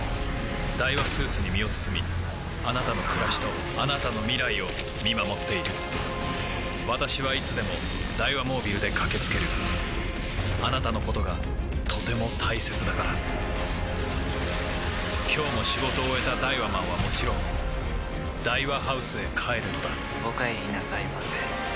ダイワスーツに身を包みあなたの暮らしとあなたの未来を見守っている私はいつでもダイワモービルで駆け付けるあなたのことがとても大切だから今日も仕事を終えたダイワマンはもちろんダイワハウスへ帰るのだお帰りなさいませ。